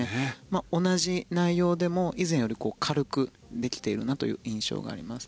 同じ内容でも以前より軽くできているなという印象があります。